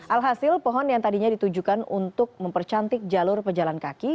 alhasil pohon yang tadinya ditujukan untuk mempercantik jalur pejalan kaki